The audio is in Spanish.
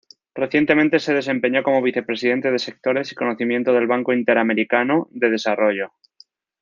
Recientemente se desempeñó como vicepresidente de Sectores y Conocimiento del Banco Interamericano de Desarrollo.